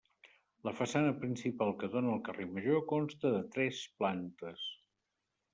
La façana principal que dóna al carrer Major consta de tres plantes.